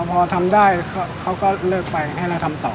พอทำได้เขาก็เลิกไปให้เราทำต่อ